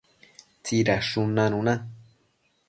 tsidadshun nanuna